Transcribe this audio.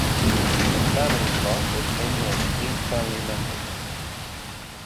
Some families lost as many as eight family members.